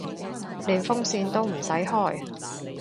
連風扇都唔使開